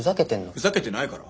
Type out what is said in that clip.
ふざけてないから。